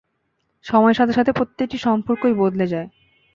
সময়ের সাথে সাথে, প্রতিটি সম্পর্কই বদলে যায়।